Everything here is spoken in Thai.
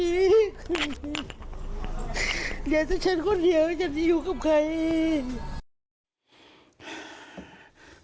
เดี๋ยวถ้าฉันคนเดียวฉันจะอยู่กับใคร